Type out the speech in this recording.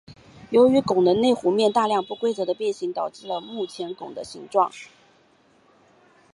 由于拱的内弧面大量不规则的变形导致了目前拱的形状。